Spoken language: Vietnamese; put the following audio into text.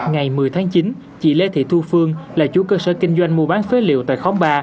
ngày một mươi tháng chín chị lê thị thu phương là chủ cơ sở kinh doanh mua bán phế liệu tại khóm ba